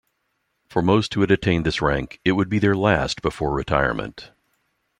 For most who had attained this rank, it would be their last before retirement.